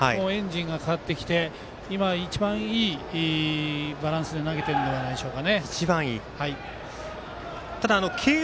エンジンがかかってきて今一番いいバランスで投げているんではないでしょうか。